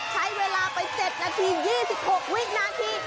ใช้เวลาไป๗นาที๒๖วินาที